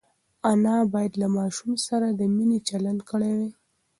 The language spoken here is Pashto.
انا باید له ماشوم سره د مینې چلند کړی وای.